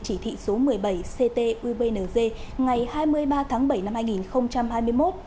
chỉ thị số một mươi bảy ct ubnd ngày hai mươi ba tháng bảy năm hai nghìn hai mươi một